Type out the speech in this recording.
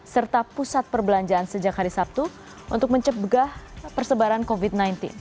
serta pusat perbelanjaan sejak hari sabtu untuk mencegah persebaran covid sembilan belas